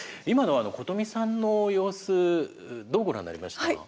今のことみさんの様子どうご覧になりましたか？